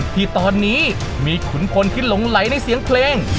ที่ตอนนี้มีขุนพลที่หลงไหลในเสียงเพลง